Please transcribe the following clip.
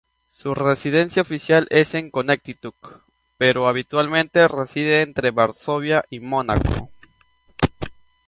Su residencia oficial es en Connecticut, pero habitualmente reside entre Varsovia y Mónaco.